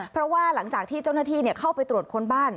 เพราะว่าหลังจากที่เจ้าหน้าที่เข้าไปตรวจค้นบ้าน